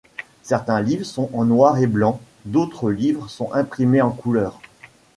Certains livres sont en noir et blanc, d'autres livres sont imprimés en couleur.